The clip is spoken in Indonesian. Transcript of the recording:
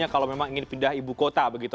kalau memang ingin pindah ibukota begitu